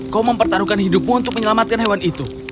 kau mempertaruhkan hidupmu untuk menyelamatkan hewan itu